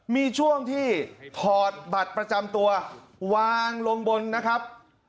มีช่วงที่ถอดบัตรประจำตัววางลงบนนะครับ